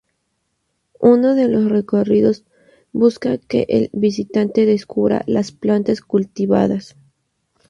Uno de los recorridos busca que el visitante "descubra" las plantas cultivadas.